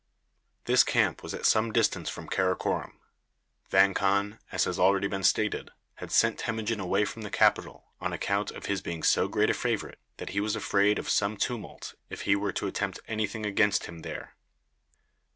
This camp was at some distance from Karakorom. Vang Khan, as has already been stated, had sent Temujin away from the capital on account of his being so great a favorite that he was afraid of some tumult if he were to attempt any thing against him there.